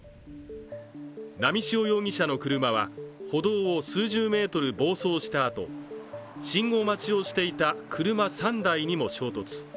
波汐容疑者の車は歩道を数十メートル暴走したあと信号待ちをしていた車３台にも衝突。